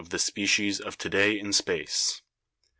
the species of to day in space.